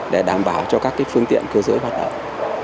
để đảm bảo cho các phương tiện cư dưỡng hoạt động